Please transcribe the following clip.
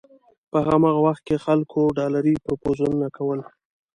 په هماغه وخت کې خلکو ډالري پروپوزلونه کول.